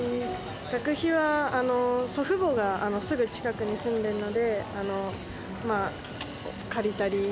学費は祖父母がすぐ近くに住んでるので、借りたり。